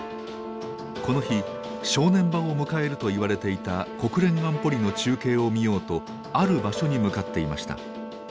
この日正念場を迎えるといわれていた国連安保理の中継を見ようとある場所に向かっていました。